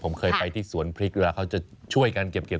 ผมเคยไปที่สวนพริกหรือล่ะเขาจะช่วยกันเก็บเกี่ยว